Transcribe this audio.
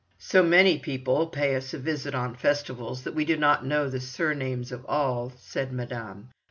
"So many people pay us a visit on Festivals, that we do not know the surnames of all," said Madame.